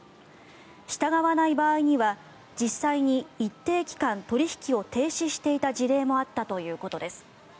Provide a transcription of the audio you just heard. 従わない場合には実際に一定期間取引を停止していた事例もあったということです。